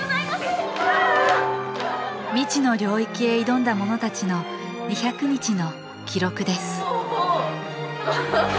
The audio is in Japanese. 未知の領域へ挑んだ者たちの２００日の記録です